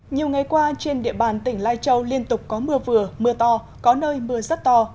nhiều ngày qua trên địa bàn tỉnh lai châu liên tục có mưa vừa mưa to có nơi mưa rất to